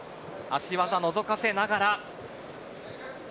足技をのぞかせながら。